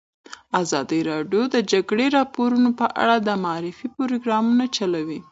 ازادي راډیو د د جګړې راپورونه په اړه د معارفې پروګرامونه چلولي.